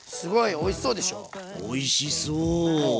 おいしそう。